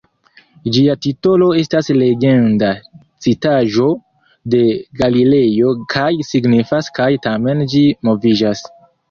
Ĝia titolo estas legenda citaĵo de Galilejo kaj signifas "kaj tamen ĝi moviĝas".